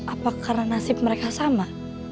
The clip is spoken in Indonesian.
apa karena nasib mereka sama